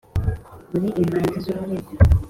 muri imanzi z’uburezi